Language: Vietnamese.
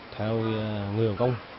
theo người học công